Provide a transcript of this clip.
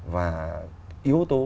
và yếu tố